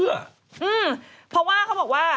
เพราะว่าเขาบอกว่า